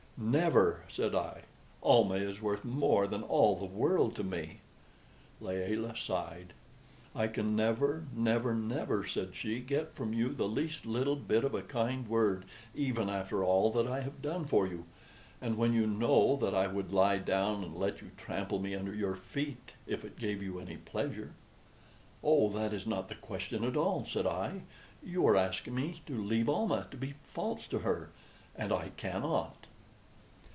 "Never!" said I. "Almah is worth more than all the world to me." Layelah sighed. "I can never, never, never," said she, "get from you the least little bit of a kind word even after all that I have done for you, and when you know that I would lie down and let you trample me under your feet if it gave you any pleasure." "Oh, that is not the question at all," said I. "You are asking me to leave Almah to be false to her and I cannot."